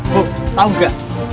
bu tau gak